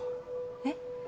えっ？